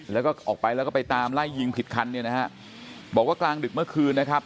แล้วก็ออกไปแล้วก็ไปตามไล่ยิงผิดคันเนี่ยนะฮะบอกว่ากลางดึกเมื่อคืนนะครับ